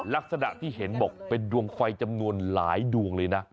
ลักษณะที่เห็นบอกเป็นดวงไฟจำนวนหลายดวงเลยนะ